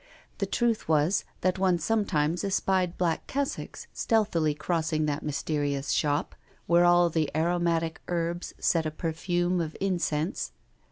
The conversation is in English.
The truth was, that one sometimes espied black cassocks stealthily crossing that mysterious shop, where all the aromatic herbs set a perfume of incense.